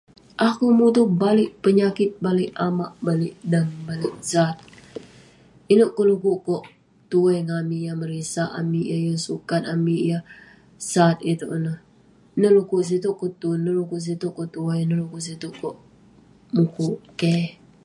Akouk mutouk, baliek penyakit, baliek amak, baliek dam, baliek sat. Inouk kek dekuk kok tuai ngan amik yah merisak amik yah yeng sukat, amik yah sat itouk ineh. Inouk dekuk kok sitouk kok tun, inouk dekuk kok sitouk kok tuai, inouk dekuk kok sitouk kok mukuk. Keh.